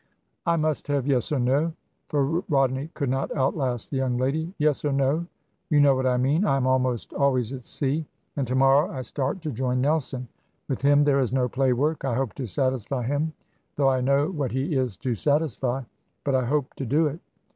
"I must have yes or no:" for Rodney could not outlast the young lady: "yes or no; you know what I mean. I am almost always at sea; and to morrow I start to join Nelson. With him there is no play work. I hope to satisfy him, though I know what he is to satisfy. But I hope to do it."